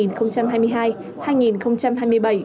trong nhiệm ký hai nghìn hai mươi hai hai nghìn hai mươi bảy